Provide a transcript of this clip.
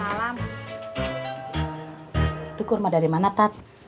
itu kurma dari mana tat